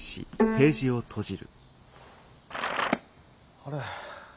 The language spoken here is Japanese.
あれ？